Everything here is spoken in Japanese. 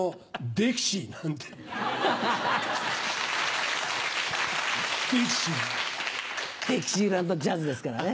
デキシーランドジャズですからね。